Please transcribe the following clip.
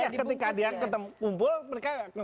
ketika dia ngumpul mereka